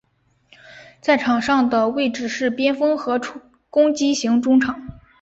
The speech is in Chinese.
在场上的位置是边锋和攻击型中场。